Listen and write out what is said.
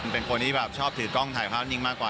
เป็นคนที่แบบชอบถือกล้องถ่ายภาพนิ่งมากกว่า